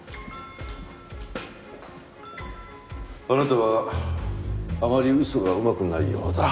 あなたはあまり嘘がうまくないようだ。